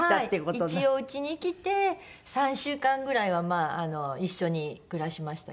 一応うちに来て３週間ぐらいは一緒に暮らしましたけど。